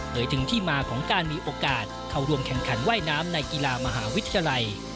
ถึงที่มาของการมีโอกาสเข้าร่วมแข่งขันว่ายน้ำในกีฬามหาวิทยาลัย